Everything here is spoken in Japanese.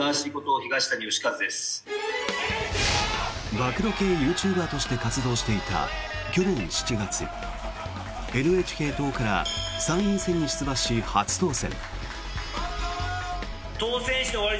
暴露系ユーチューバーとして活動していた去年７月ＮＨＫ党から参院選に出馬し初当選。